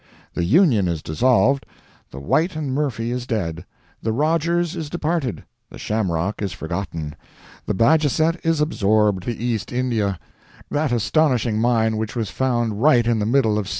The "Union" is dissolved; the "White and Murphy" is dead; the "Rogers" is departed; the "Shamrock" is forgotten' the "Bajazet" is absorbed' the "East India"—that astonishing mine which was found right in the middle of C.